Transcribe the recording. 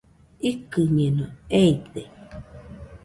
Ikɨñeno, eite